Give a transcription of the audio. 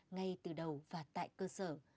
ngay từ đầu và tại cơ sở